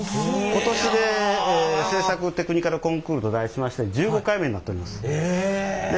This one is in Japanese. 今年で製作テクニカルコンクールと題しまして１５回目になっております。